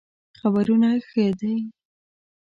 خبرونه ښه دئ